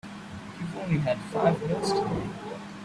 You've only had five meals today.